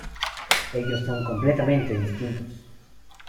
Ellos son completamente distintos.